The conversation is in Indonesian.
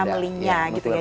nuclear family nya gitu ya